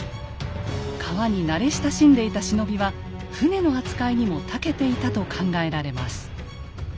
川に慣れ親しんでいた忍びは舟の扱いにもたけていたと考えられます。